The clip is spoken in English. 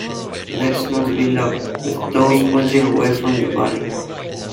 Legs must be locked, with toes pointing away from the body.